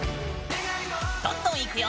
どんどんいくよ！